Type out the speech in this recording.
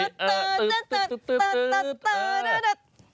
ตื๊ดตื๊ดตื๊ดตื๊ดตื๊ดตื๊ดตื๊ดตื๊ดตื๊ด